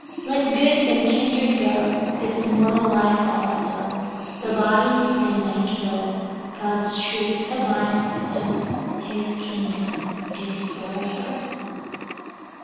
Let goods and kindred go, this mortal life also; the body they may kill; God's truth abideth still; his kingdom is forever.